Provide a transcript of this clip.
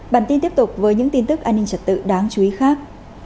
bản tin tiếp tục với những tin tức an ninh trật tự đáng chú ý khác